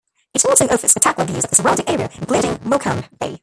It also offers spectacular views of the surrounding area including Morecambe Bay.